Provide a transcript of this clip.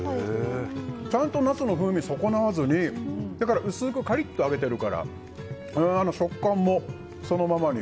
ちゃんとナスの風味を損なわずに薄くカリッと揚げてるから食感もそのままに。